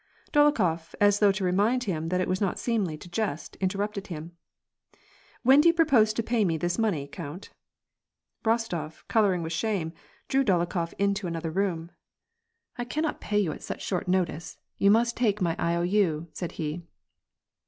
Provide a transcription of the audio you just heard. Dolokhof, as though to remind him that it was not seemly to jest, interrupted him, —" When do you propose to pay me this money, count ?" Eostof, coloring with shame, drew Dolokhof into another 68 WAR AND PEACE, room. ^' I cannot pay you at such short notice, you must take my I.O.U.," said he.